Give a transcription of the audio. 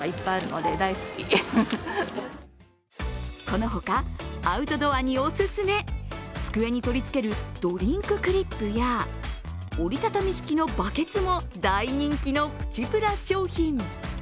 このほかアウトドアにお勧め、机に取り付けるドリンククリップや折りたたみ式のバケツも大人気のプチプラ商品。